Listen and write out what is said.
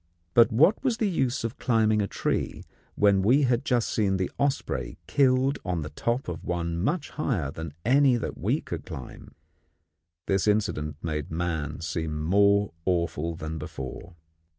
But what was the use of climbing a tree, when we had just seen the osprey killed on the top of one much higher than any that we could climb? This incident made man seem more awful than before.